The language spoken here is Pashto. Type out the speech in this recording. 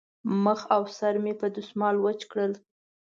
مخ او سر مې په دستمال وچ کړل.